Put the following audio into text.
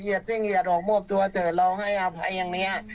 ซิ่งเหยียดออกมอบตัวเถอะเราให้อภัยอย่างนี้